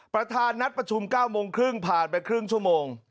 ประธานนัดประชุม๙โมงครึ่งผ่านไปครึ่งชั่วโมง